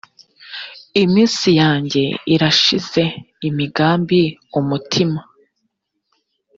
iminsi yanjye irashize imigambi umutima